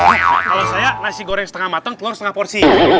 kalau saya nasi goreng setengah matang telur setengah porsi